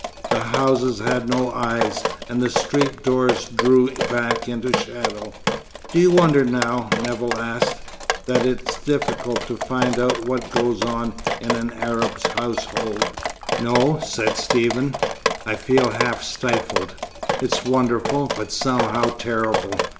The houses had no eyes, and the street doors drew back into shadow. "Do you wonder now," Nevill asked, "that it's difficult to find out what goes on in an Arab's household?" "No," said Stephen. "I feel half stifled. It's wonderful, but somehow terrible.